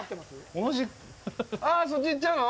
ああ、そっち行っちゃうの？